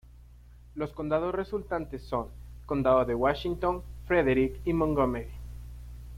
Los condados resultantes son Condado de Washington, Frederick y Montgomery.